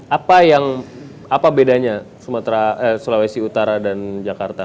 apa bedanya sulawesi utara dan jakarta